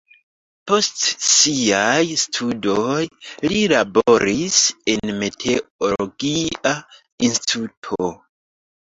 Post siaj studoj li laboris en meteologia instituto.